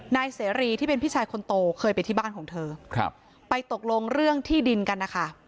นายเสรีที่เป็นพี่ชายคนโตเคยไปที่บ้านของเธอครับไปตกลงเรื่องที่ดินกันนะคะ